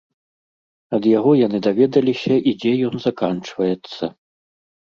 Ад яго яны даведаліся і дзе ён заканчваецца.